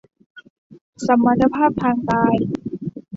สมรรถภาพทางกาย